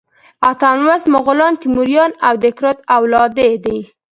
اتم لوست مغولان، تیموریان او د کرت اولادې دي.